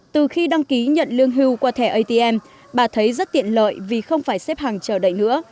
từ khi đăng ký nhận lương hưu qua thẻ atm bà thấy rất tiện lợi vì không phải xếp hàng chờ đậy nữa